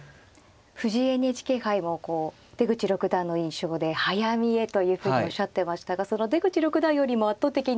藤井ＮＨＫ杯もこう出口六段の印象で早見えというふうにおっしゃってましたがその出口六段よりも圧倒的に。